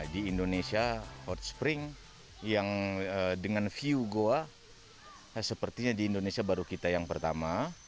di indonesia hotspring yang dengan view goa sepertinya di indonesia baru kita yang pertama